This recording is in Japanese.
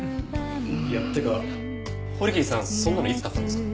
いやってか堀切さんそんなのいつ買ったんですか？